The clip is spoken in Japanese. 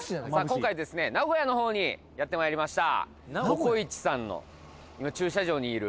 今回ですね名古屋の方にやってまいりました